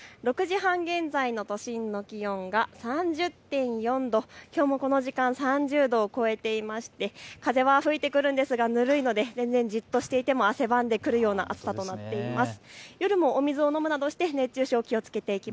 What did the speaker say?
６時半現在の都心の気温が３０．４度、きょうもこの時間３０度をこえていまして風は吹いてくるんですがぬるいので全然じっとしても汗ばんでくるような暑さとなっています。